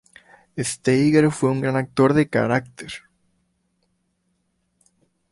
Steiger fue un gran actor de carácter.